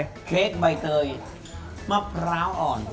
เค้กใบเตยมะพร้าวอ่อน